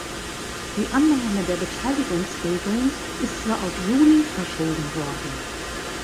Die Annahme der Beteiligungsregeln ist zwar auf Juli verschoben worden.